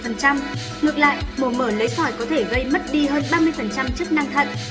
ngược lại mổ mở lấy sòi có thể gây mất đi hơn ba mươi chất năng thận